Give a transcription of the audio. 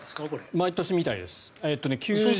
毎年みたいです。